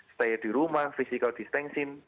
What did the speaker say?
stay di rumah physical distancing